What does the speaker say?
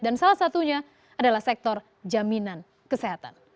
salah satunya adalah sektor jaminan kesehatan